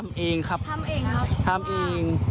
ทำเองครับทำเอง